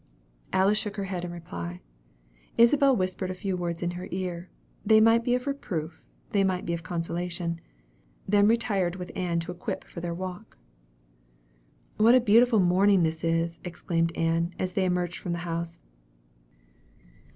Alice shook her head in reply. Isabel whispered a few words in her ear they might be of reproof, they might be of consolation then retired with Ann to equip for their walk. "What a beautiful morning this is!" exclaimed Ann, as they emerged from the house.